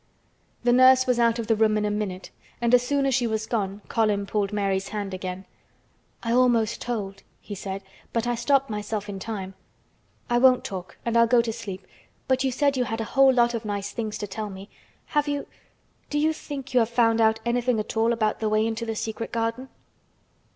The nurse was out of the room in a minute and as soon as she was gone Colin pulled Mary's hand again. "I almost told," he said; "but I stopped myself in time. I won't talk and I'll go to sleep, but you said you had a whole lot of nice things to tell me. Have you—do you think you have found out anything at all about the way into the secret garden?"